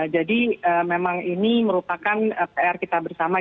jadi memang ini merupakan pr kita bersama